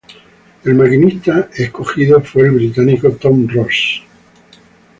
El maquinista escogido fue el británico Tom Ros.